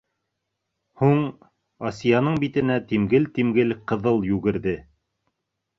Һуң, - Асияның битенә тимгел-тимгел ҡыҙыл йүгерҙе.